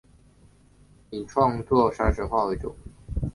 以创作山水画为主。